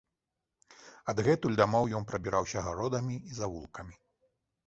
Адгэтуль дамоў ён прабіраўся гародамі і завулкамі.